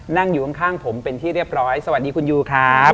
นั่งอยู่ข้างผมเป็นที่เรียบร้อยสวัสดีคุณยูครับ